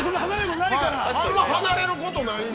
あんまり離れることがないので。